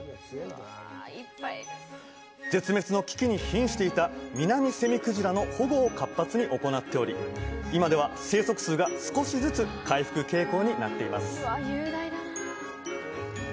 絶滅の危機にひんしていたミナミセミクジラの保護を活発に行っており今では生息数が少しずつ回復傾向になっています